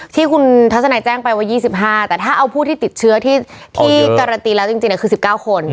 ที่คุณทัศนัยแจ้งไปว่า๒๕แต่ถ้าเอาผู้ที่ติดเชื้อที่การันตีแล้วจริงคือ๑๙คน